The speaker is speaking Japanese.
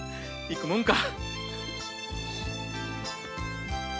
行くもんか！